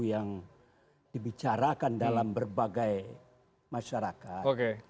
yang dibicarakan dalam berbagai masyarakat